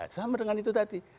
sama dengan itu tadi